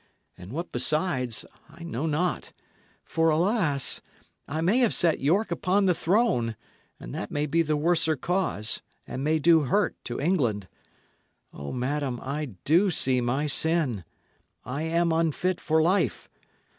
And what besides, I know not. For, alas! I may have set York upon the throne, and that may be the worser cause, and may do hurt to England. O, madam, I do see my sin. I am unfit for life.